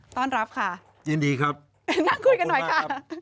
ต้อนรับค่ะยินดีครับไปนั่งคุยกันหน่อยค่ะ